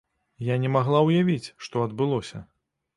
Я не магла ўявіць, што адбылося.